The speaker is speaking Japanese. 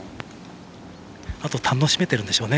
あと楽しめているんでしょうね